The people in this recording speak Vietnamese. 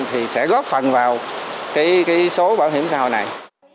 thì sẽ góp phần vào số bảo hiểm xã hội này